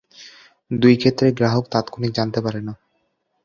এই দুই ক্ষেত্রেই গ্রাহক তাৎক্ষনিক জানতে পারে না।